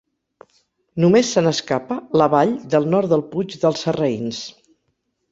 Només se n'escapa la vall del nord del Puig dels Sarraïns.